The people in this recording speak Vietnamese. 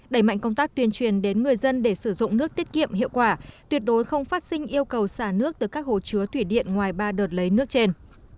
đẩy mạnh công tác tuyên truyền đến người dân để sử dụng nước tiết kiệm hiệu quả tuyệt đối không phát sinh yêu cầu xả nước từ các hồ chứa thủy điện ngoài ba đợt lấy nước trên